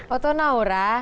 baca naura ya